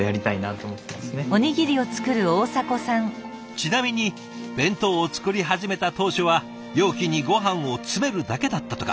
ちなみに弁当を作り始めた当初は容器にごはんを詰めるだけだったとか。